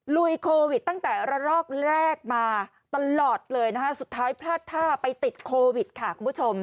ลุยโควิดตั้งแต่ละรอกแรกมาตลอดเลยนะคะสุดท้ายพลาดท่าไปติดโควิดค่ะคุณผู้ชม